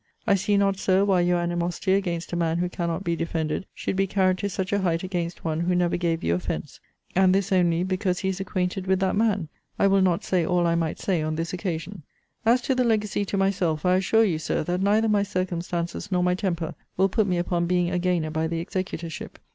I see not, Sir, why your animosity against a man who cannot be defended, should be carried to such a height against one who never gave you offence; and this only, because he is acquainted with that man. I will not say all I might say on this occasion. As to the legacy to myself, I assure you, Sir, that neither my circumstances nor my temper will put me upon being a gainer by the executorship.